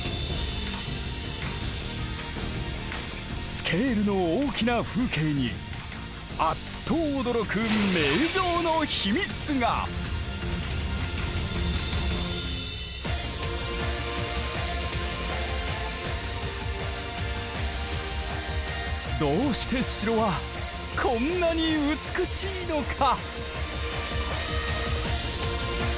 スケールの大きな風景にあっと驚くどうして城はこんなに美しいのか⁉